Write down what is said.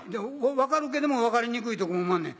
分かるけども分かりにくいとこもおまんねん。